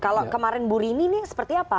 kalau kemarin burini nih seperti apa